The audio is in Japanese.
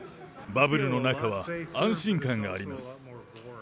バブルの中は安心感があります。